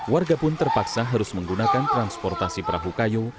warga pun terpaksa harus menggunakan transportasi perahu kayu